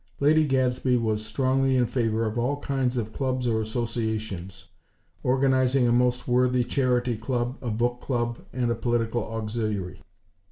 Lady Gadsby was strongly in favor of all kinds of clubs or associations; organizing a most worthy Charity Club, a Book Club and a Political Auxiliary.